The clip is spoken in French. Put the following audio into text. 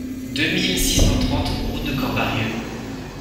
deux mille six cent trente route de Corbarieu